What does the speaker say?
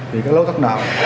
về các lỗ thất đạo